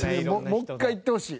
もう一回いってほしい。